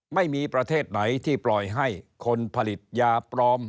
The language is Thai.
ไม่มีประเทศไหนที่ปล่อยให้คนผลิตยาปลอม